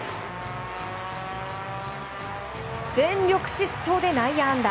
全力疾走で内野安打。